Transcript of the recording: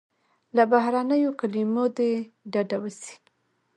له بهرنیو کلیمو دې ډډه وسي.